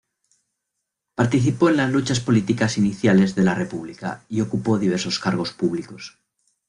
Participó en las luchas políticas iniciales de la República y ocupó diversos cargos públicos.